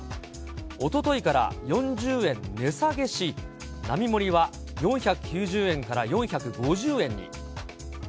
おとといから４０円値下げし、並盛は４９０円から４５０円に。